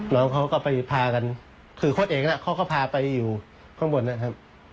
น้องเขาก็ไปพากันคือโค้ดเองเขาก็พาไปอยู่ข้างบนนะครับ